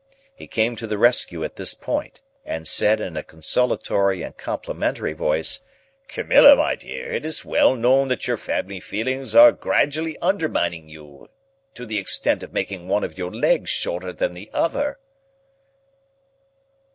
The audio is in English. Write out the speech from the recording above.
He came to the rescue at this point, and said in a consolatory and complimentary voice, "Camilla, my dear, it is well known that your family feelings are gradually undermining you to the extent of making one of your legs shorter than the other."